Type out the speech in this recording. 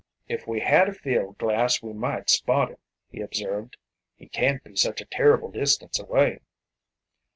"If we had a field glass we might spot him," he observed. "He can't be such a terrible distance away."